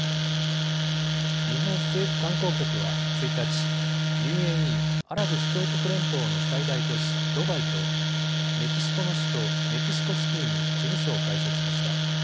日本政府観光局は１日、ＵＡＥ・アラブ首長国連邦の最大都市ドバイとメキシコの首都、メキシコシティーに事務所を開設しました。